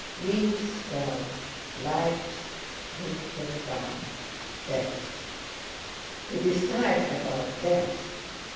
Leaves fell, lives drifted down—Death! To decide about death!